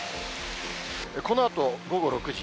このあと、午後６時。